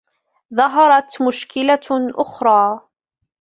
ظهرت مشكلة آخرى.